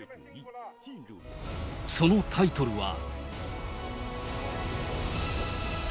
そのタイトルは。